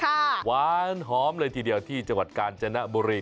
หวานหอมเลยทีเดียวที่จังหวัดกาญจนบุรี